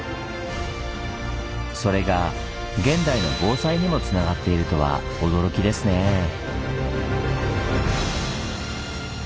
それが現代の防災にもつながっているとは驚きですねぇ。